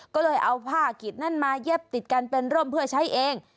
ก็เลยเอาผ้ากิจนั้นมาเย็บติดกันเป็นร่มเพื่อใช้เอง